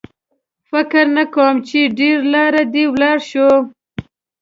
فکر نه کوم چې ډېره لار دې ولاړ شو.